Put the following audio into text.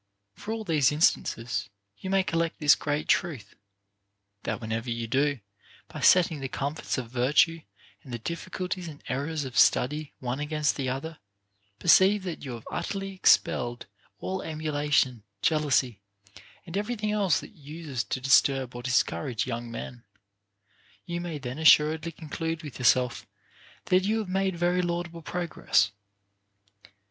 7. From all these instances you may collect this great truth, that whenever you do, by setting the comforts of vir tue and the difficulties and errors of study one against the other, perceive that you have utterly expelled all emulation, jealousy, and every thing else that uses to disturb or dis courage young men, you may then assuredly conclude with yourself that you have made very laudable progress.